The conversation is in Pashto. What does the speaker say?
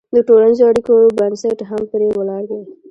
د ټولنیزو اړیکو بنسټ هم پرې ولاړ دی.